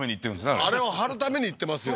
あれあれを貼るために行ってますよね